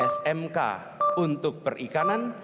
smk untuk perikanan